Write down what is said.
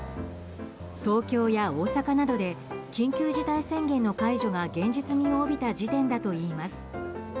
東京や大阪などで緊急事態宣言の解除が現実味を帯びた時点だといいます。